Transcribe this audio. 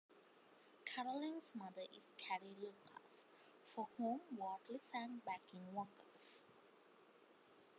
Carolyn's mother is Carrie Lucas, for whom Watley sang backing vocals.